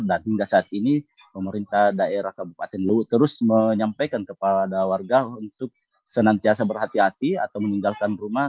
dan hingga saat ini pemerintah daerah kabupaten dulu terus menyampaikan kepada warga untuk senantiasa berhati hati atau meninggalkan rumah